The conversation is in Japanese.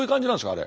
あれ。